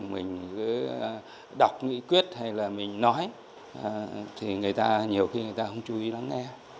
mình cứ đọc nghị quyết hay là mình nói thì người ta nhiều khi người ta không chú ý lắng nghe